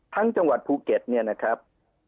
ทั้งจังหวัดภูเก็ตนะครับ